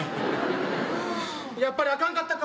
やっぱりあかんかったか。